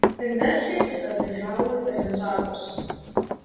Нэсри къигъэзэжауэ зэранщӀакӀуэщ.